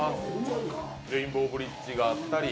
レインボーブリッジがあったり。